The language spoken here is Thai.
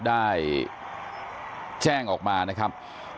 ได้แจ้งออกมานะครับ